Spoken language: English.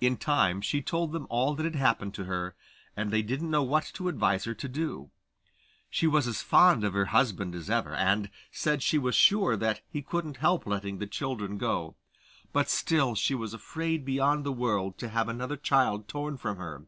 In time she told them all that had happened to her, and they didn't know what to advise her to do. She was as fond of her husband as ever, and said she was sure that he couldn't help letting the children go; but still she was afraid beyond the world to have another child torn from her.